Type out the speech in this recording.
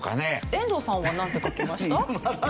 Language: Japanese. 遠藤さんはなんて書きました？